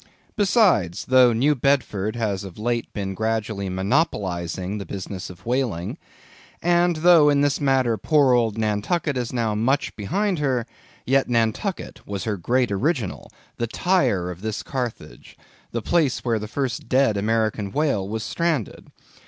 Besides though New Bedford has of late been gradually monopolising the business of whaling, and though in this matter poor old Nantucket is now much behind her, yet Nantucket was her great original—the Tyre of this Carthage;—the place where the first dead American whale was stranded.